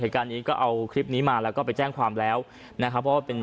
เหตุการณ์นี้ก็เอาคลิปนี้มาแล้วก็ไปแจ้งความแล้วนะครับเพราะว่าเป็น